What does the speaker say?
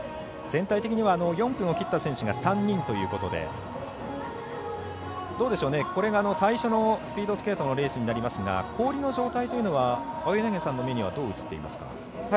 全体的には４分を切った選手が３人ということでこれが最初のスピードスケートのレースになりますが氷の状態というのは青柳さんの目にはどう映っていますか？